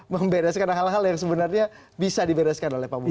membereskan hal hal yang sebenarnya bisa dibereskan oleh pak budi